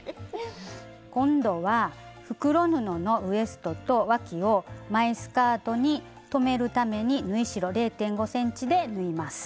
今度は袋布のウエストとわきを前スカートに留めるために縫い代０．５ｃｍで縫います。